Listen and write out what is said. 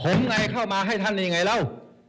ผมไงเข้ามาให้ท่านได้ยังไงแล้ว